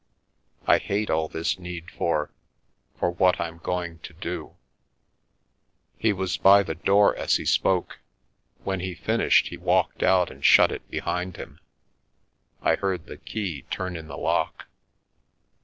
I hate all this need for — for what I'm going to do." He was by the door as he spoke ; when he finished he walked out and shut it behind him. I heard the key turn in the lock.